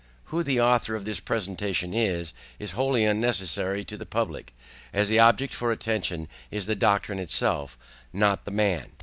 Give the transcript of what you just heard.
Who the Author of this Production is, is wholly unnecessary to the Public, as the Object for Attention is the DOCTRINE ITSELF, not the MAN.